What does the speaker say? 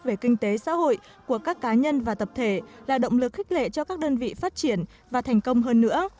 về kinh tế xã hội của các cá nhân và tập thể là động lực khích lệ cho các đơn vị phát triển và thành công hơn nữa